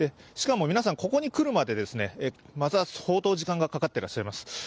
しかも皆さん、ここに来るまでまた相当時間がかかっています。